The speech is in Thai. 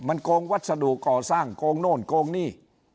มันโกงวัสดุก่อสร้างโกงโน่นโกงหนี้